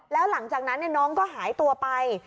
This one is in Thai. แล้วหลังจากนั้นน้องก็หายตัวไป